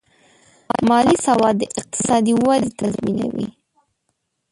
مالي سواد د اقتصادي ودې تضمینوي.